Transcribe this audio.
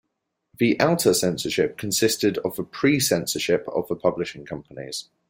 The outer censorship consisted of the pre-censorship of the publishing companies.